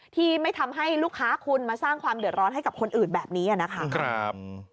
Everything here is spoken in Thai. ที่ไม่ทำให้ลูกค้าคุณมาสร้างความเดือดร้อนให้กับคนอื่นแบบนี้นะคะ